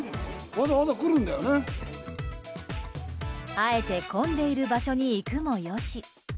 あえて混んでいる場所に行くもよし。